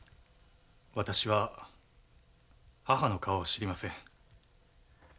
私は母の顔を知りません。